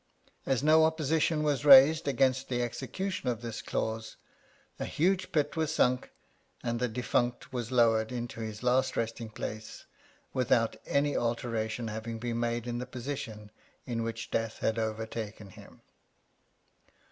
As no opposition was raised against the execution of this clause, a huge pit was sunk, and the defunct was lowered into his last resting place, without any altera tion having been made in the position in which death had overtaken him.